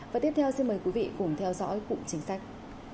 và tiếp theo xin mời quý vị cùng theo dõi cụm chính sách